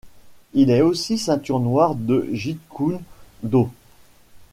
Il est aussi ceinture noire de jeet kune do.